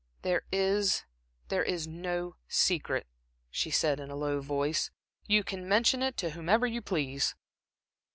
"There is there is no secret," she said, in a low voice. "You can mention it to whom you please."